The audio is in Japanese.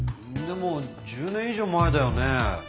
でも１０年以上前だよね。